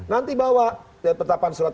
nanti bawa surat surat